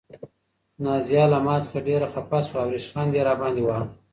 نازیه له ما څخه ډېره خفه شوه او ریشخند یې راباندې واهه.